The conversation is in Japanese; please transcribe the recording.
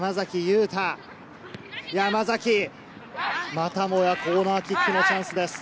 またもやコーナーキックのチャンスです。